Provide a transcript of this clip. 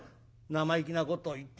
「生意気なことを言ってやがら。